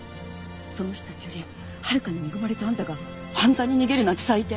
その人たちよりはるかに恵まれたあんたが犯罪に逃げるなんて最低。